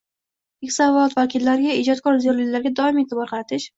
Keksa avlod vakillariga – ijodkor ziyolilarga doimiy e’tibor qaratish